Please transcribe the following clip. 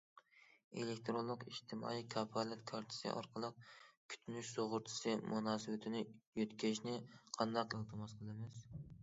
ئېلېكتىرونلۇق ئىجتىمائىي كاپالەت كارتىسى ئارقىلىق كۈتۈنۈش سۇغۇرتىسى مۇناسىۋىتىنى يۆتكەشنى قانداق ئىلتىماس قىلىمىز؟.